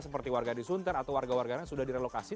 seperti warga di sunten atau warga warganya sudah direlokasi